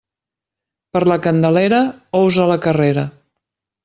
Per la Candelera, ous a la carrera.